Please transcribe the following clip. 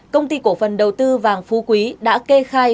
công ty cổ phần đầu tư vàng phú quý đã kê khai